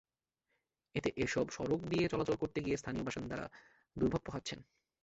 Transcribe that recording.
এতে এসব সড়ক দিয়ে চলাচল করতে গিয়ে স্থানীয় বাসিন্দারা দুর্ভোগ পোহাচ্ছেন।